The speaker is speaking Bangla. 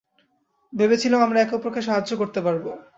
ভেবেছিলাম আমরা একে অপরকে সাহায্য করতে পারব।